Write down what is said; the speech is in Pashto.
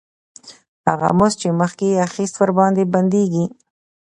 هغه مزد چې مخکې یې اخیست ورباندې بندېږي